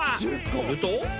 すると。